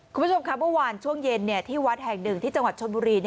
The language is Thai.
คุณผู้ชมค่ะเมื่อวานช่วงเย็นที่วัดแห่งหนึ่งที่จังหวัดชนบุรี